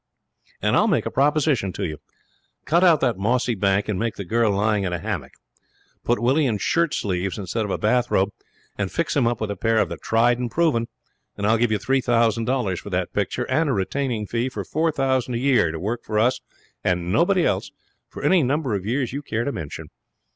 'And I'll make a proposition to you. Cut out that mossy bank, and make the girl lying in a hammock. Put Willie in shirt sleeves instead of a bathrobe, and fix him up with a pair of the Tried and Proven, and I'll give you three thousand dollars for that picture and a retaining fee of four thousand a year to work for us and nobody else for any number of years you care to mention.